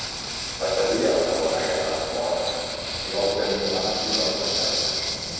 Va servir a la Segona Guerra Bòer i va obtenir una Menció als Despatxos.